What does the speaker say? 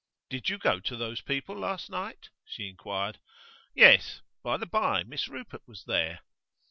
'Did you go to those people last night?' she inquired. 'Yes. By the bye, Miss Rupert was there.